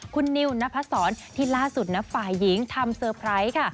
คุณนิวนพศรที่ล่าสุดนะฝ่ายหญิงทำเซอร์ไพรส์ค่ะ